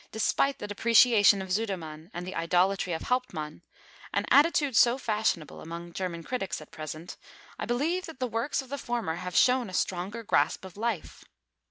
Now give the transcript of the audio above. Despite the depreciation of Sudermann and the idolatry of Hauptmann, an attitude so fashionable among German critics at present, I believe that the works of the former have shown a stronger grasp of life.